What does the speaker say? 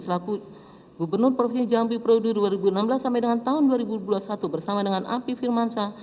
selaku gubernur provinsi jambi periode dua ribu enam belas sampai dengan tahun dua ribu dua puluh satu bersama dengan api firmansyah